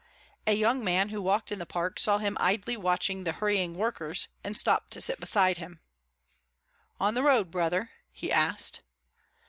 A young man who walked in the park saw him idly watching the hurrying workers, and stopped to sit beside him. "On the road, brother?" he asked.